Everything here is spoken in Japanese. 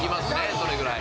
それぐらい。